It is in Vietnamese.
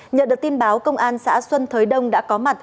nhận được tin báo công an xã xuân thới đông đã có mặt